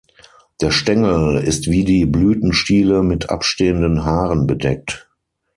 Der Stängel ist wie die Blütenstiele mit abstehenden Haaren bedeckt.